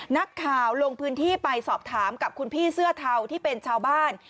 นักข่าวลงพื้นที่ไปสอบถามกับคุณพี่เสื้อเทาที่เป็นชาวบ้าน